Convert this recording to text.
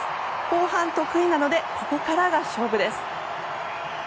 後半得意なのでここからが勝負です。